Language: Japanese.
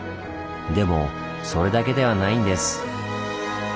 でもそれだけではないんです。